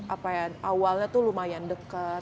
apa ya awalnya tuh lumayan dekat